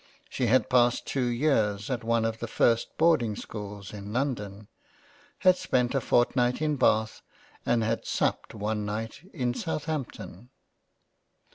She had passed 2 Years at one of the first Boarding schools in London ; had spent a fort night in Bath and had supped one night in Southampton.